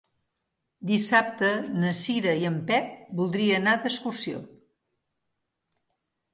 Dissabte na Cira i en Pep voldria anar d'excursió.